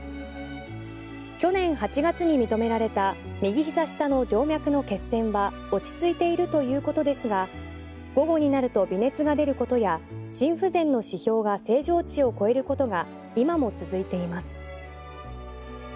去年８月に認められた右ひざ下の静脈の血栓は落ち着いているということですが午後になると微熱が出ることや心不全の指標が正常値を超えることが今も続いています。